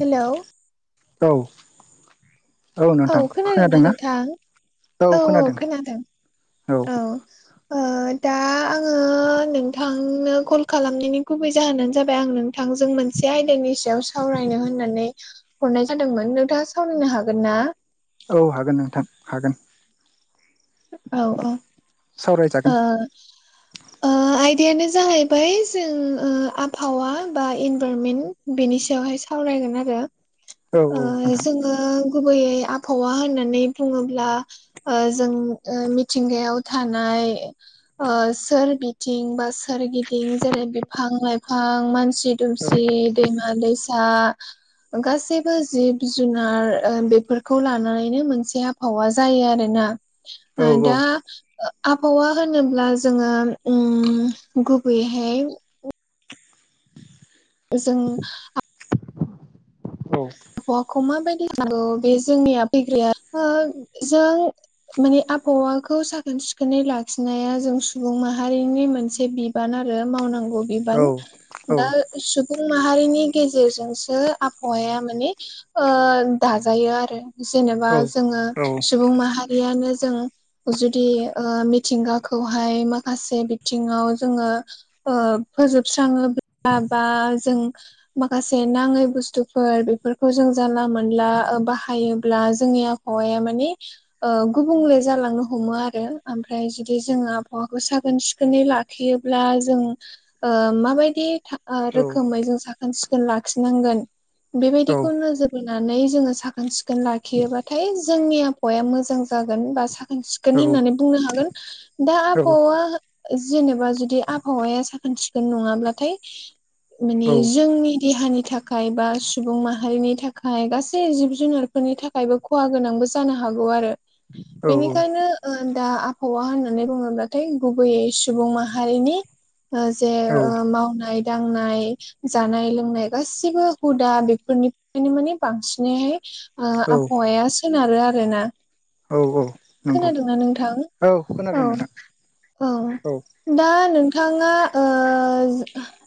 हेल' औ औ नोंथां खोनादोंना खोनादों ना? नोंथां औ खोनादों। औ ओ दा आङो नोंथांनो कल खालामनायनि गुबै जाहोनानो जाबाय आं नोंथां नोंथांजों मोनसे आयदानि सायाव सावरायनो होननानै। हरनाय जादोंमोन नोंथाङा सावरायनो हागोन ना? औ हागोन नोंथां हागोन औ औ सावरायजागोन ओ ओ आयदायानो जाहैबाय जों ओ आबहावा बा इनभायरमेन्ट बेनि सायावहाय सावरायगोन आरो। औ औ ओ नोंथां जोङो गुबैयै आबहावा होननानै बुङोब्ला ओ जों ओ मिथिंगायाव थानाय ओ सोरबिथिं बा सोरगिदिं जेरै बिफां लाइफां मानसि मानसि दुमसि दैमा दैसा गासैबो जिब जुनार ओ बेफोरखौ लानानैनो मोनसे आबहावा जायो आरोना औ ओ दा आबहावा होनोब्ला जोङो ओम गुबैयैहाय [inaudible] जों औ आबहावाखौ माबायदि [unintelligible] बे जोंनिया फैग्राया जों माने आबहावाखौ साखोन सिखोनै लाखिनाया जों सुबुं माहारिनि मोनसे बि बान आरो मावनांगौ औ बिबान औ दा सुबुं माहारिनि गेजेरजोंसो आबहावाया माने ओ दाजायो आरो जेनेबा औ जोङो सुबुं माहारि बेयानो जों जुदि ओ मिथिंगाखौहाय माखासे बिथिङाव जोङो ओ फोजोबस्राङोब्ला बा जों माखासे नाङै बुस्थुफोर बेफोर खौ जों जानला मोनला ओ बाहायोब्ला जोंनि आबहावाया माने ओ गुबुंले जालांनो हमो आरो आमफ्राय जुदि जोङो आबहावाखौ साखोन सिखोनै ला लाखियोब्ला जों ओ माबायदि ओ रोखोमै जों साखोन सिखोन लाखिनांगोन बेबाय दिखौ नोजोर बोनानै जोङो साखोन सिखोन लाखियोबाथाय जोंनि आबहावाया मोजां जागोन बा साखोन सिखोन होननानै बुंनो हागोन दा आबहावा जेनेबा जुदि आबहावाया साखोन सिखोन नङाब्लाथाय माने जोंनि देहानि थाखाय बा सुबुं माहा रिनि थाखाय गासै जिब जुनारफोरनि थाखायबो खहा गोनांबो जानो हागौ आरो बेनिखायनो ओ दा आबहावा होननानै बुङोब्लाथाय गुबैयै सुबुं माहारिनि जे ओ औ मावनाय दांनाय जानाय लोंनाय गासिबो हुदा बेफोरनि ओंखायनो माने बांसिनैहाय औ आबहावाया सोनारो आरो ना औ औ नंगौ खोनादोंना नोंथां औ औ खोनादों नोंथां औ दा नोंथाङा ओ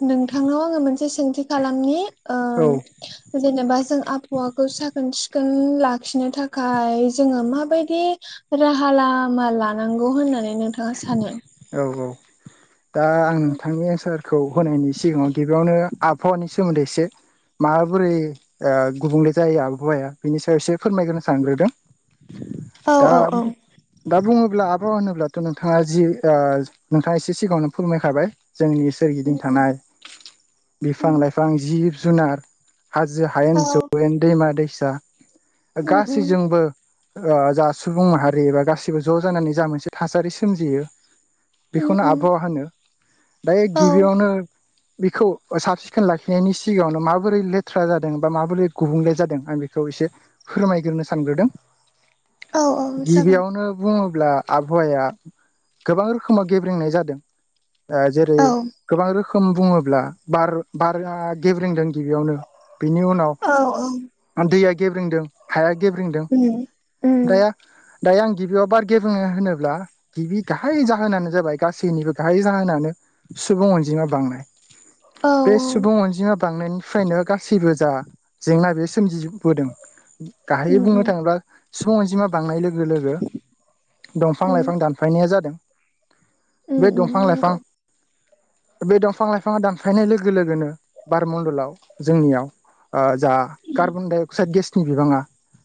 नोंथांनाव आङो मोनसे सोंथि खालामनि ओ औ जेनेबा जों आबहावाखौ साखोन सिखोन लाखिनो थाखाय जोङो माबायदि राहा लामा लानांगौ होननानै नोंथाङा सानो औ औ दा आं नोंथांनि एन्सारखौ होनायनि सिगाङाव गिबियावनो आबहावानि सायाव सोमोन्दै एसे माबोरै ओ गुबुंले जायो आबहावाया बेनि सायाव एसे फोरमायग्रोनो सानग्रोदों [inaudible] दा औ दा बुङोब्ला आबहावा होनोब्ला थ' नोंथाङा जि ओ नोंथाङा एसे सिगाङावनो फोरमायखाबाय जोंनि उम सोरगिदिं थानाय बिफां लाइफां जिब जुनार हाजो हायेन जौवेन दैमा दैसा गासैजोंबो जा सुबुं माहारि बा गासिबो ज' जानानै जा मोनसे थासारि सोमजियो बेखौनो उम आबहावा होनो दायो औ गिबियावनो बेखौ साब सिखोन लाखिनायनि सिगाङावनो माबोरै लेथ्रा जादों बा माबोरै गुबुंले जादों आं बेखौ एसे फोरमायग्रोनो सानग्रोदों औ औ जागोन गिबियावनो बुङोब्ला आबहावाया गोबां रोखोमाव गेब्रेेंनाय जादों ओ जेरै औ गोबां रोखोम बुङोब्ला बार बारा गेब्रेंदों गिबियावनो बिनि उनाव औ औ दैया गेब्रेंदों हाया गेब्रेंदों उम उम दाया दायो आं गिबियाव बार गे बुंुनो होनोब्ला गिबि गाहाय जाहोनानो जाबाय गासैनिबो गाहाय जाहोनानो सुबुं अनजिमा बांनाय औ बे सुबुं अनजिमा बांनायनि फ्रायनो गासैबो जा जेंना बे सोमजिबोदों गाहाय उम बुंनो उम थाङोब्ला - सुबुं अनजिमा बांनाय लोगो लोगो दंफां उम लाइफां दानफायनाया जादों उम बे उम दंफां नंगौ लाइफां बे दंफां लाइफाङा दानफायनाय लोगो लोगोनो बारमणडलाव जोंनियाव जा कार्बन डाइ अक्साइड गेसनि बिबाङा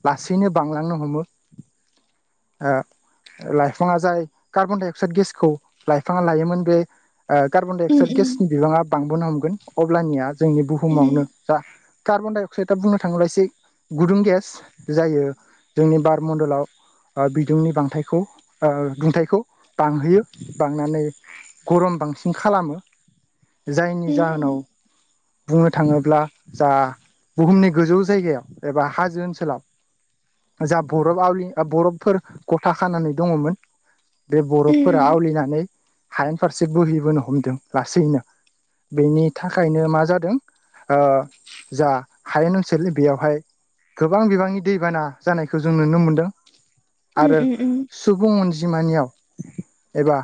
लासैनो बांलांनो हमो [inaudible] लाइफाङा जाय कार्बन डाइ अक्साइद गेसखौ लाइफाङा लायोमोन बे ओ कार्बन डाइ उम अक्साइड उम गेसनि बिबाङा बांबोनो हमगोन अब्लानिया जोंनि बुहुमावनो उम जा कार्बनडाइ अक्साइदआ बुंनो थाङोब्ला एसे गुदुं गेस जायो जोंनि बार मडलाव बिदुंनि बांथायाय दुंथायखौ बांहोयो बांनानै गरम बांसिन खालामो जायनि उम जाहोनाव बुंनो थाङोब्ला जा बुहुमनि गोजौ जायगायाव एबा हाजो ओनसोलाव जा बरफ आवलि बरफफोर थाखानानै दङमोन बे बरफफोरा उम आवलिनानै हायेन फारसे बोहैबोनो हमदों लासैनो बेनि थाखायनो मा जादों जा हायेन ओनसोल बेयावहाय गोबां बिबांनि दैबाना जानायखौ जों नुनो मोनदों उ आरो उ उम सुबुं अनजिमानियाव एबा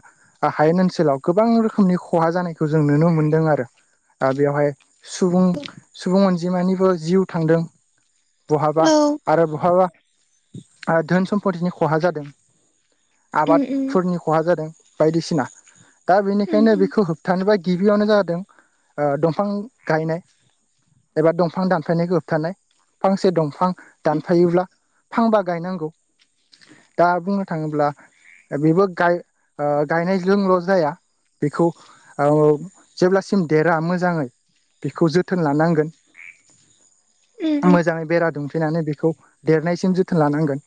हायेन ओनसोलाव गोबां रोखोमनि खहा जानायखौ जों नुनो मोनदों आरो दााबयावहाय सुबुं सुबुं अनजिमानिबो जिउ थांदों बहाबा औ आरो बहाबा धोन सम्फतिनि खहा जादों उम उम आबादफोरनि खहा जादों बायदिसिना दा उम बेनिखायनो उम बेखौ होबथानोबा गिबियावनो जादों दंफां गायनाय एबा दंफां दानफायनाय गोबथानाय फांसे दंफां दानफायोब्ला फांबा गायनांगौ दा बुंनो थाङोब्ला बेबो गाय गायनायजोंल' जाया बेखौ जेब्लासिम देरा मोजाङै बेखौ जोथोन लानांगोन [inaudible] मोजाङै बेरा दुंफैनानै बेखौ देरनायसिम जोथोन लानांगोन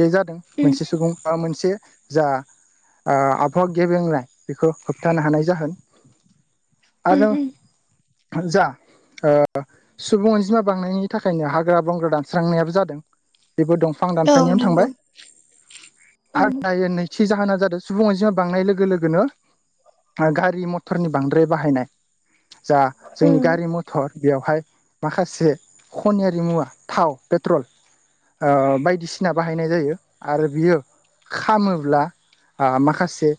बे जादों उम मोनसे सुबुं मोनसे जा आबहावा गेबेंनाय बेखौ होबथानो हानाय जागोन उम आरो उम जा सुबुं अनजिमा बांनायनि थाखायनो हाग्रा बंग्रा दानस्रांनायाबो जादों बेबो दंफां औ दानफायनायावनो नंगौ थांबाय उम आदाय नैथि जाहोना जादों सुबुं अनजिमा बांनाय लोगो लोगोनो गारि मथरनि बांद्राय बाहायनाय जा जोंनि उम गारि मथर बेवहाय माखासे खनियारि मुवा थाव पेट्रल ओ बायदिसिना बाहायनाय जायो। आरो बियो खामोब्ला ओ माखासे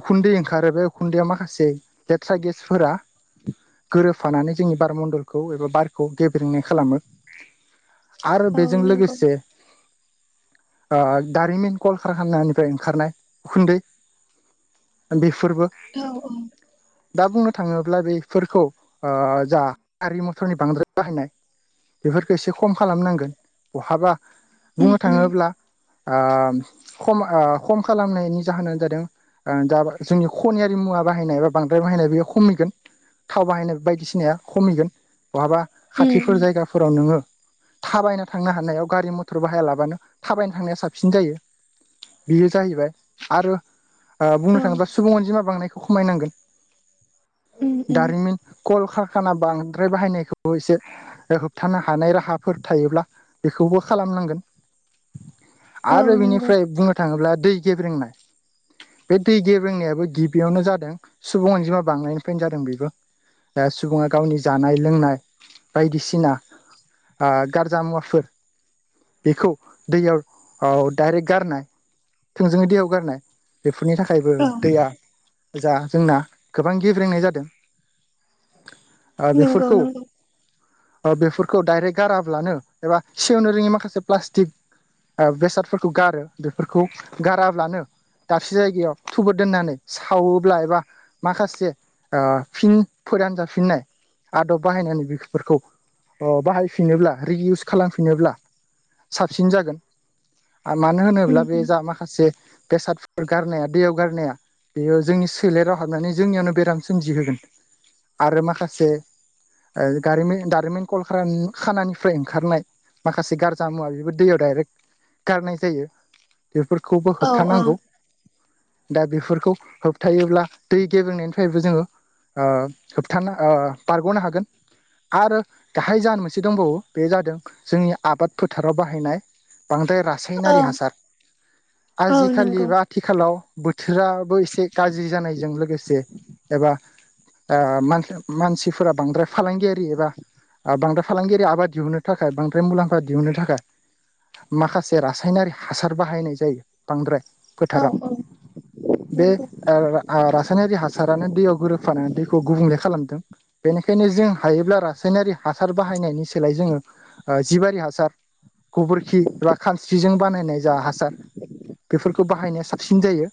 उखुन्दै ओंखारो बे खुन्दैया माखासे लेथ्रा गेसफोरा गोरोबफानानै जोंनि बार म्न्दलखौ एबा बारखौ गेब्रेंनाय खालामो आरो औ बेजों नंगौ लोगोसे ओ दारिमिन कलक खामनिफ्राय ओंखारनाय उखुन्दै बेफोरबो औ औ दा बुंनो थाङोब्ला बेफोरखौ ओ जा गारि मथरनि बांद्राय बाहायनाय बेफोरखौ एसे खम खालामनांगोन बहाबा उम बुंनो थाङोब्ला ओ खम खम खालामनायनि जाहोनानो जादों ओ दा जोंनि खनियारि मुवा बाहायनाय बा बांद्राय बाहायनाय बेयो खमिगोन। थाव बाहायनाय बायदिसिनाया खमिगोन बहाबा उम खाथिफोर जायगाफोराव नोङो थाबायनो थांनो हानायाव गारि मथर बाहाया लाबानो थाबायना थांनाय साबसिन जायो बेयो जाहैबाय आरो ओ बुंनो औ थाङोबा सुबुं अनजिमा बांनायखौ खमायनांगोन उम उम दारिमिन कल कारखाना बांद्राय बाहायनायखौबो एसे होबथानो हानाय राहाफोर थायोब्ला बेखौबो खालामनांगोन। औ आरो नंगौ बेनिफ्राय बुंनो थाङोब्ला दै गेब्रेंनाय बे दै गेब्रेंनायाबो गिबियावनो जादों सुब अनजिमा बांनायनिफ्रायनो जादों बेबो। दा सुबुङा गावनि जानाय लोंनाय बायदिसिना ओ गारजा मुवाफोर बेखौ दैयाव औ दडाइरेक्ट गारनाय थोंजोङै दैयाव गारनाय बेफोरनि थाखायबो औ दैया जा जोंना गोबां गेब्रेंनाय जादों। ओ नंगौ बेफोरखौ नंगौ बेफोरखौ डायरेक्ट गाराब्लानो एबा सेवनो रोङि माखासे प्लास्टिक बेसादफोरखौ गारो बेफोरखौ गाराब्लानो दाबसे जायगायाव थुबर दोननानै सावोब्ला एबा माखासे ओ फिन फोरान जाफिननाय आदब बाहायनानै बेफोरखौ अ बाहायफिनोब्ला रि इउस खालामफिनोब्ला साबसिन जागोन मानो उम होनोब्ला बे उम जा मा माखासे बेसादफोर गारनाया दैयाव गारनाया बेयो जोंनि सोलेराव हाबनानै जोंनियावनो बेराम सोमजिहोगोन आरो माखासे दारिमिन दारिमिन कल खानानिफ्राय ओंखारनाय माखासे गारजा मुवा बेबायाद दैयाव दडाइरेक्ट गारनाय जायो बेफोरखौबो औ औ होबथानांगौ। दा बेफोरखौ होबथायोब्ला दै गेबेंनायनिफ्रायबो जोङो ओ होबथानो ओ बारग'नो हागोन। आरो गाहाय जाहोन मोनसे दंबावो बे जादों जोंनि आबाद फोथाराव बाहाय बाहायनाय बांद्राय औ रासायनारि हासार औ आजिखालि नंगौ बा आथिखालाव बोथोराबो एसे गाज्रि जानायजों लोगोसे एबा ओ मान-मानसिफोरा बांद्राय फालांगियारि एबा ओ बांद्राय फालांगयारि आबाद दिहुननो थाखाय बांद्राय मुलामफ दिहुननो थाखाय माखासे रासायनारि हासार बाहायनाय जायो। बांद्राय औ फोथाराव औ बे नंगौ ओ रा रासायनारि हासारानो दैयाव गोरोबफानानै दैखौ गुबुंले खालामदों। बेनिखायनो जों हायोब्ला रासायनारि हासार बाहायनायनि सोलाय जोङो जिबारि हासार गोबोरखि बा खानस्रिजों बानायनाय जा हासार बेफोरखौ बाहायनाय साबसिन जायो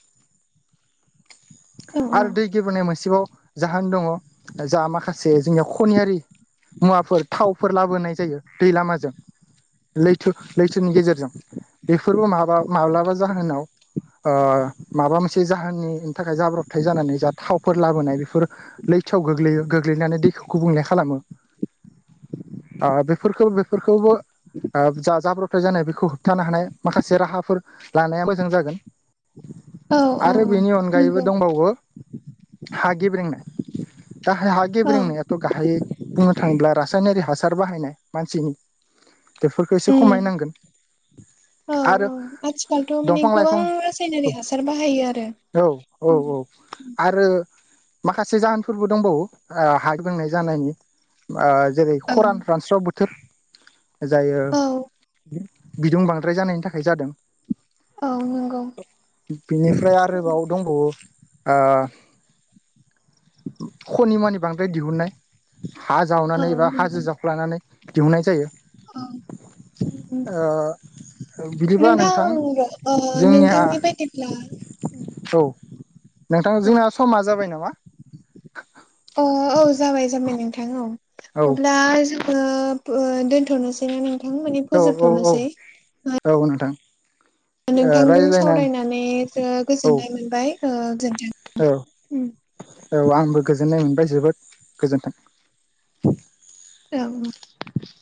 औ आरो दै गेब्रनाय मोनसेबाव जाहोन दङ जा माखासे जोंनियाव खनियारि मुवाफोर थावफोर लाबोनाय जायो दै लामाजों। लैथो लैथोनि गेजेरजों बेफोरबो माबा माब्लाबा जाहोनाव ओ माबा मोनसे जाहोननिनि थाखाय जाब्रबथाय जानानै जा थावफोर लाबोनाय बेफोर लैथोआव गोग्लैयो गोग्लैनानै दैखौ गुबुंले खालामो। ओ बेफोरखौ बेफोरखौबो ओ जा जाब्रबथाय जानाय बेखौ होबथानो हानाय माखासे राहाफोर लानाया मोजां जागोन। औ औ आरो औ बेनि अनगायैबो नंगौ दंबावो हा गेब्रेंनाय [unintelligible] हा औ गेब्रेंनाय थ' गाहायै बुंनो थाङोब्ला रासायनारि हासार बाहायनाय मानसिनि बेफोरखो एसे उम खमायनांगोन औ आरो औ आथिखालथ' माने दंफां गोबां लाइफां रासायनारि हासार बाहायो आरो औ औ उम औ आरो माखासे जाहोनफोरबो दंबावो हा गेब्रेंनाय जानायनि ओ जेरै औ खरान रानस्राव बोथोर जायो औ बिदुं बांद्राय जानायनि थाखाय जादों। औ नोंगौ बिनिफ्राय आरोबाव दंबावो ओ खनिमानि बांद्राय दिहुननाय हा औ जावनानै एबा हाजो जावख्लानानै दिहुननाय जायो। ओं [unintelligible] ओ नोंथां ओ जोंनिया नोंथांनि बायदिब्ला औ नोंथां औ जोंना समा जाबाय नामा? अ औ जाबाय जाबाय नोंथां औ औ अब्ला [unintelligible] [unintelligible] दोनथ'नोसै ना नोंथां माने औ औ औ फोजोबथ'नोसै? औ नोंथां। नोंथांजों रायज्लायनानै सावरायनानै जो औ गोजोननाय मोनबाय ओ गोजोनथों औ उम औ आंबो गोजोननाय मोनबाय जोबोद गोजोन्थों। औ